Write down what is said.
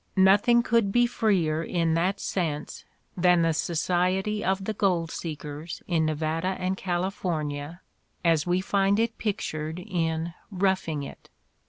Nothing could be freer in that sense than the society of the gold seekers in Nevada and California as we find it pictured in '' Rough ing It."